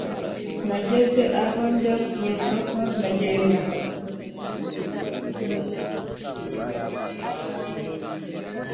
Nageze aho njya mu isoko ndagenda